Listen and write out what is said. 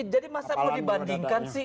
jadi masa mau dibandingkan sih